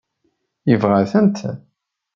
Yebɣa-tent?